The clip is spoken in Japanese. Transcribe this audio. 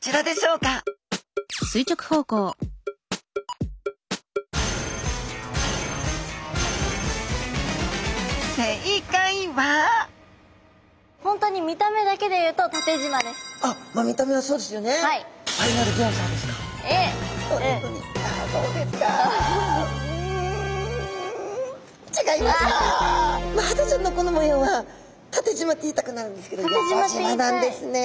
うんマハタちゃんのこの模様は縦じまって言いたくなるんですけど横じまなんですね。